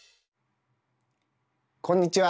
こんにちは。